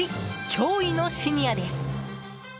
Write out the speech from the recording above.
驚異のシニアです。